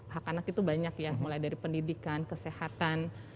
hak anak itu banyak ya mulai dari pendidikan kesehatan